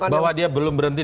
bahwa dia belum berhenti